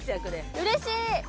うれしい！